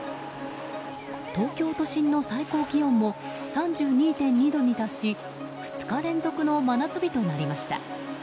東京都心の最高気温も３２．２度に達し２日連続の真夏日となりました。